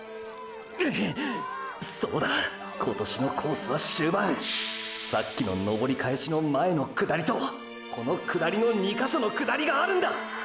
そうだ今年のコースは終盤さっきの登り返しの前の下りとこの下りの２か所の下りがあるんだ！！